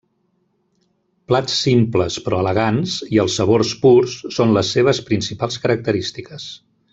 Plats simples, però elegants i els sabors purs són les seves principals característiques.